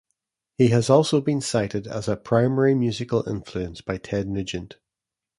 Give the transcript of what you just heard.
He has also been cited as a primary musical influence by Ted Nugent.